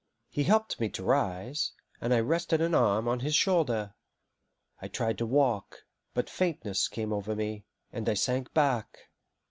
He helped me to rise, and I rested an arm on his shoulder. I tried to walk, but faintness came over me, and I sank back.